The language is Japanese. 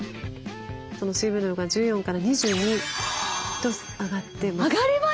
水分量が１４から２２と上がってます。